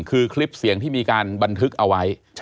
คือคลิปเสียงที่มีการบันทึกเอาไว้